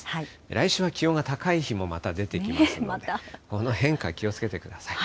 来週は気温が高い日もまた出てきますので、この変化、気をつけてください。